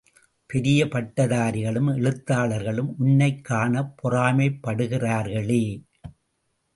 பெரிய பட்டதாரிகளும் எழுத்தாளர்களும் உன்னைக் காணப் பொறாமைப் படுகிறார்களே!